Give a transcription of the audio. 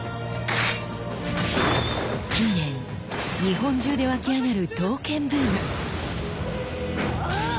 近年日本中で沸き上がる刀剣ブーム。